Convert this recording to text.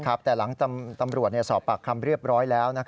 แต่หลังตำรวจสอบปากคำเรียบร้อยแล้ว